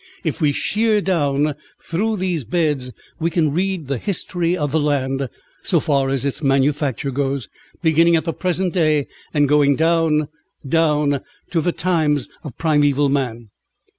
If we shear down through these beds, we can read the history of the land, so far as its manufacture goes, beginning at the present day and going down, down to the times of primeval man.